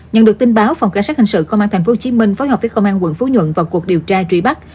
nhận được tin báo phòng cảnh sát hình sự công an tp hcm phối hợp với công an quận phú nhuận vào cuộc điều tra truy bắt